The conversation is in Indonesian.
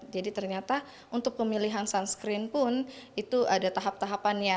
jadi ternyata untuk pemilihan sunscreen pun itu ada tahap tahapannya